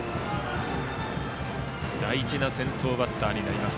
大事な先頭バッターになります。